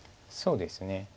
そうですね。